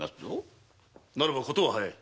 ならばことは早い。